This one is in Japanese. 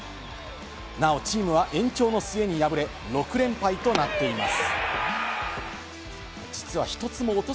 なおチームは延長の末に敗れ、６連敗となっています。